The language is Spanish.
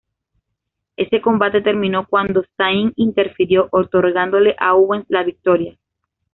Ese combate terminó cuando Zayn interfirió, otorgándole a Owens la victoria.